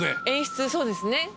演出そうですね。